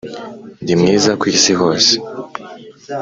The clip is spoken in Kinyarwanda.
ndi mwiza kwisi hose.